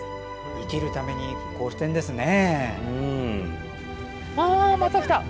生きるためにこうしているんですね。